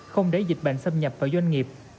không để dịch bệnh xâm nhập vào doanh nghiệp